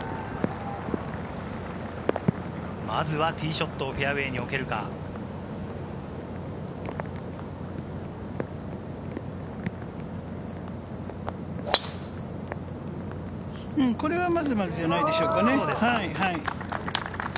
まずはティーショットをフェアウエーにおけるか。これはまずまずじゃないでしょうか。